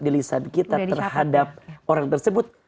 di lisan kita terhadap orang tersebut